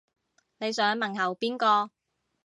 你想問候邊個